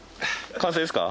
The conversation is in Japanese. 完成です。